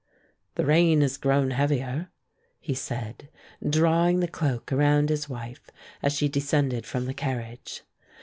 "The rain has grown heavier," he said, drawing the cloak around his wife as she descended from the carriage.